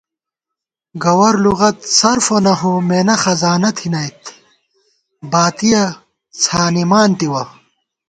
گوَرلُغَت صرف و نحو مېنہ خزانہ تھنَئیت باتِیَہ څھانِمان تِوَہ